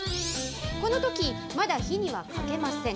このとき、まだ火にはかけません。